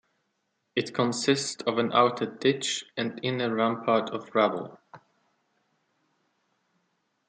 It consists of an outer ditch and inner rampart of rubble.